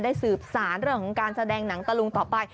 สืบสารเรื่องของการแสดงหนังตะลุงต่อไป